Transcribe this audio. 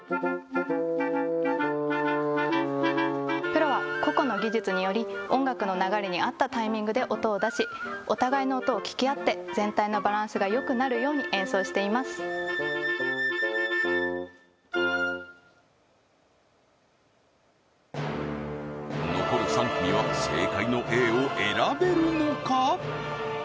プロは個々の技術により音楽の流れに合ったタイミングで音を出しお互いの音を聞き合って全体のバランスがよくなるように演奏しています残る３組は正解のＡを選べるのか？